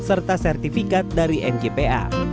serta sertifikat dari mgpa